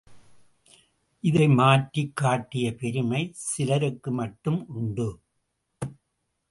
இதை மாற்றிக் காட்டிய பெருமை சிலருக்கு மட்டும் உண்டு.